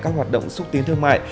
các hoạt động xúc tiến thương mại